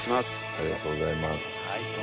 ありがとうございます。